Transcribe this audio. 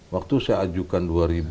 waktu saya ajukan dua ribu lima belas